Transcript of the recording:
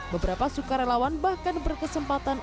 beberapa sukarelawan bahkan berkesempatan